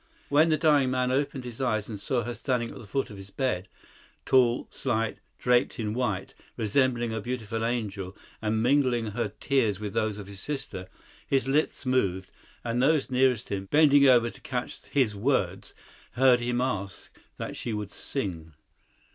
When the dying man opened his eyes and saw her standing at the foot of his bed, tall, slight, draped in white, resembling a beautiful angel, and mingling her tears with those of his sister, his lips moved, and those nearest him, bending over to catch his words, heard him ask that she would sing.